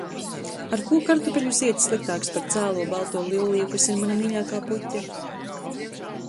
Ar ko kartupeļu zieds sliktāks par cēlo, balto liliju, kas ir mana mīļākā puķe?